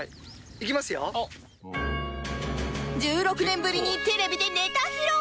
１６年ぶりにテレビでネタ披露